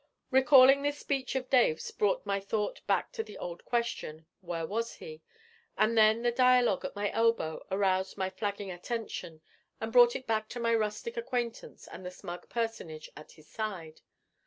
Recalling this speech of Dave's brought my thoughts back to the old question, 'Where was he?' And then the dialogue at my elbow aroused my flagging attention, and brought it back to my rustic acquaintance and the smug personage at his side.